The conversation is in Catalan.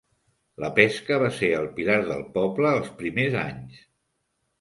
La pesca va ser el pilar del poble els primers anys.